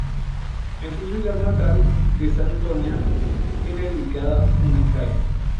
En su ciudad natal de Santoña tiene dedicada una calle.